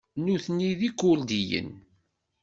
Nutni d Ikurdiyen.